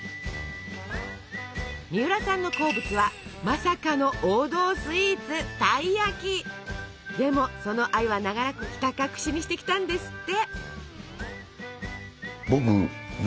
みうらさんの好物はまさかの王道スイーツでもその愛は長らくひた隠しにしてきたんですって。